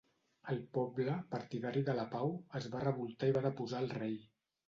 El poble, partidari de la pau, es va revoltar i va deposar al rei.